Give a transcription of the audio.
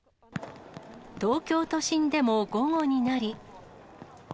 東京都心でも午後になり。